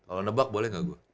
kalau nebak boleh gak gue